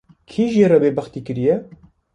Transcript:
Kî jê re bêbextî kiriye